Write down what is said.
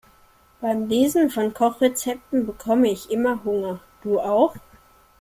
Beim Lesen von Kochrezepten bekomme ich immer Hunger, du auch?